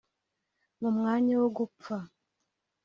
mu mwanya wo gupfa